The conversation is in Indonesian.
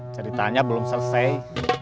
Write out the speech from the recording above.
ceritanya belum selesai